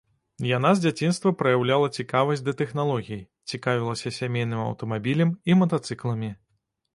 Яна з дзяцінства праяўляла цікавасць да тэхналогій, цікавілася сямейным аўтамабілем і матацыкламі.